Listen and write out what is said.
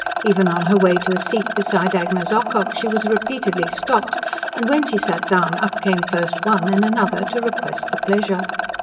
Even on her way to a seat beside Agnes Ocock she was repeatedly stopped, and, when she sat down, up came first one, then another, to "request the pleasure."